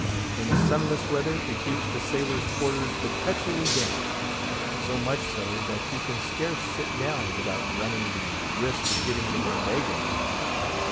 In sunless weather it keeps the sailors' quarters perpetually damp; so much so, that you can scarce sit down without running the risk of getting the lumbago.